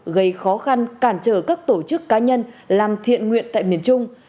gây khó khăn cản trở các tổ chức cá nhân làm thiện nguyện tại miền trung